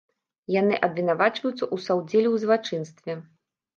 Яны абвінавачваюцца ў саўдзеле ў злачынстве.